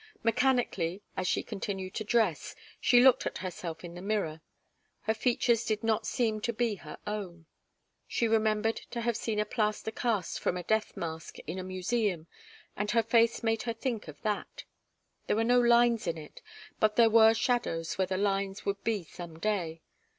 Mechanically, as she continued to dress, she looked at herself in the mirror. Her features did not seem to be her own. She remembered to have seen a plaster cast from a death mask, in a museum, and her face made her think of that. There were no lines in it, but there were shadows where the lines would be some day.